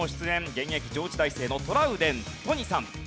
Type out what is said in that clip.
現役上智大生のトラウデン都仁さん。